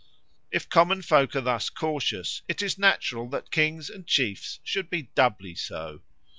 If common folk are thus cautious, it is natural that kings and chiefs should be doubly so.